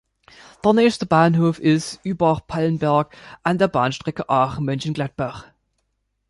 Der nächste Bahnhof ist Übach-Palenberg an der Bahnstrecke Aachen–Mönchengladbach.